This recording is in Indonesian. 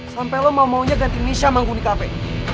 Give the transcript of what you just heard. sampai lo mau maunya ganti misha sama gue di kafe